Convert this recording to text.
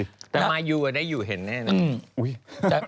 แต่มายูได้อยู่เห็นแน่นอน